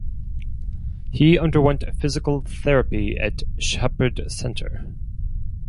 He underwent physical therapy at Shepherd Center.